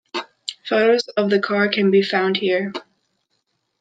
Photos of the car can be found here.